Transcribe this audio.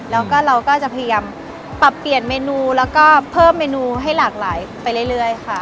แล้วก็เราก็จะพยายามปรับเปลี่ยนเมนูแล้วก็เพิ่มเมนูให้หลากหลายไปเรื่อยค่ะ